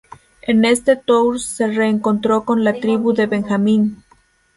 En este tour se reencontró con La Tribu de Benjamín.